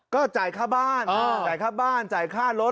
ก็จ่ายค่าบ้านจ่ายค่าบ้านจ่ายค่ารถ